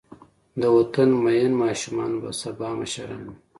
د وطن مین ماشومان به سبا مشران وي.